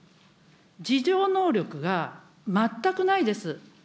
自浄能力が全くないです。